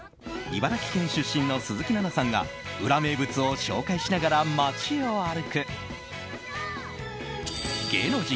茨城県出身の鈴木奈々さんがウラ名物を紹介しながら街を歩く芸能人